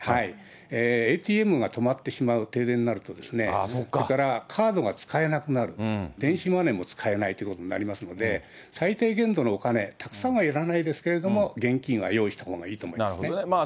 ＡＴＭが止まってしまう、停電になると、それからカードが使えなくなる、電子マネーも使えないということになりますので、最低限度のお金、たくさんはいらないですけれども、現金は用意したほうがいいと思いますね。